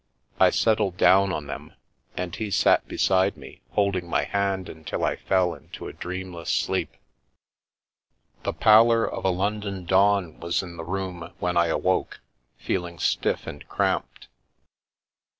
I settled down on them and he sat beside me, holding my hand until I fell into a dreamless sleep. The pallor of a London dawn was in the room when I awoke, feeling stiff and cramped.